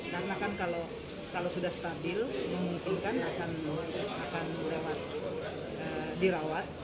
karena kan kalau sudah stabil memungkinkan akan dirawat